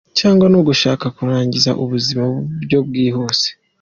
Cyangwa ni ugushaka kurangiza ubuzima ku buryo bwihuse?